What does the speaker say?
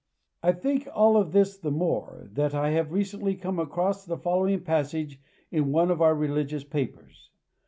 I think all this the more that I have recently come across the following passage in one of our religious papers.